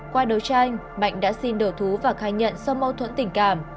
qua đấu tranh mạnh đã xin đổ thú và khai nhận sau mâu thuẫn tình cảm